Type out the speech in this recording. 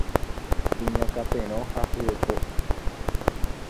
Iñakãperõ ha hyepo